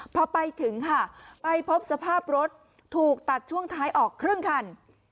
พอไปถึงค่ะไปพบสภาพรถถูกตัดช่วงท้ายออกครึ่งคัน